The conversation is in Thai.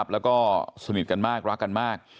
แล้วก็สนิทกันมากรักกันมาก